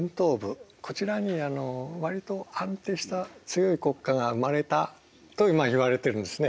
こちらにわりと安定した強い国家が生まれたといわれているんですね。